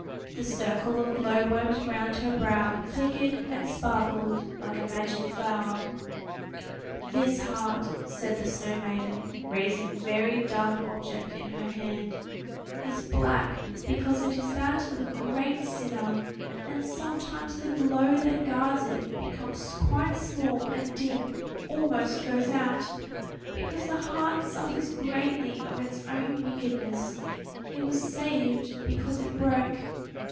The circle of glow worms round her brow flickered and sparkled like a magic flower. "This heart," said the snow maiden, raising a very dark object in her hand, "is black, because it is that of a great sinner; and sometimes the glow that guards it becomes quite small and dim, almost goes out; because the heart suffers greatly of its own wickedness; it was saved because it broke.